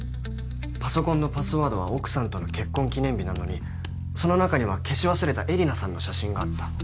パソコンのパスワードは奥さんとの結婚記念日なのにその中には消し忘れた絵里奈さんの写真があった。